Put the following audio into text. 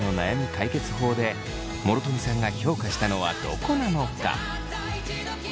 解決法で諸富さんが評価したのはどこなのか？